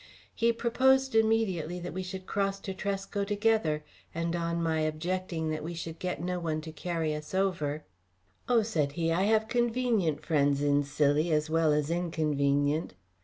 He proposed immediately that we should cross to Tresco together, and on my objecting that we should get no one to carry us over "Oh," said he, "I have convenient friends in Scilly as well as inconvenient."